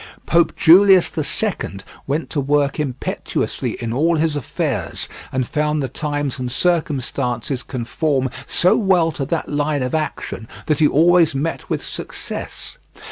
Pope Julius the Second went to work impetuously in all his affairs, and found the times and circumstances conform so well to that line of action that he always met with success.